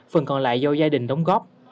phần còn lại do gia đình đóng góp